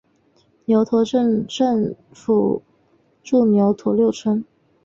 牛驼镇镇政府驻牛驼六村。